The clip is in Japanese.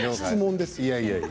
質問です。